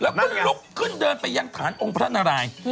แล้วก็ลุกขึ้นเดินไปยังฐานองค์พระนาราย